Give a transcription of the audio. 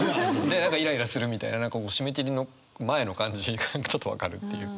で何かイライラするみたいな締め切りの前の感じがちょっと分かるっていう。